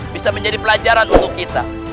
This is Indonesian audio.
bisa menjadi pelajaran untuk kita